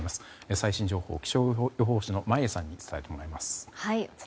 最新情報を気象予報士の眞家さんに伝えてもらいます。